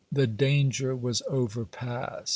The danger was overpast.